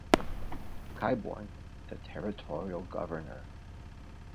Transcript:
Claiborne, the territorial governor.